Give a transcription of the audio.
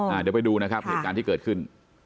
เดี๋ยวไปดูนะครับเหตุการณ์ที่เกิดขึ้น